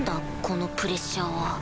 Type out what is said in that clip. このプレッシャーは。